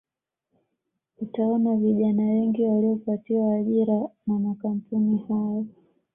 Utaona vijana wengi waliopatiwa ajira na makampuni hayo